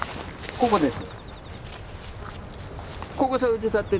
ここです。